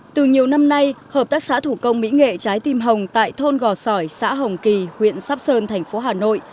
từ nhiều năm nay hợp tác xã thủ công mỹ nghệ trái tim hồng tại thôn gò sỏi xã hồng kỳ huyện sắp sơn thành phố hà nội